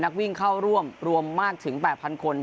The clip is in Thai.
นักวิ่งเข้าร่วมรวมมากถึง๘๐๐คน